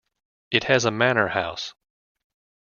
It has a Manor house.